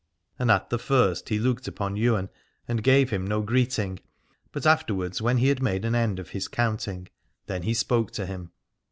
And at the first he looked upon Ywain and gave him no greeting, but afterwards when he had made an end of his counting then he spoke to him.